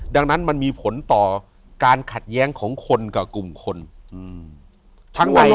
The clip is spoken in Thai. ดังนั้นมันมีผลต่อการขัดแย้งของคนกับกลุ่มคนทั้งใน